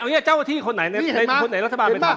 ในคนไหนรัฐบาลมาทำ